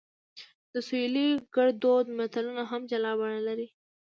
د سویلي ګړدود متلونه هم جلا بڼه لري